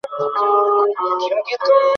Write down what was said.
তুমিই আমার নাতিকে দোকানের ছাদ থেকে ফেলে দিয়েছিলে।